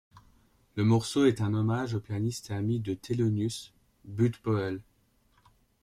Le morceau est un hommage au pianiste et ami de Thelonious: Bud Powell.